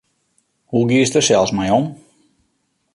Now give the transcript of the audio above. Hoe giest dêr sels mei om?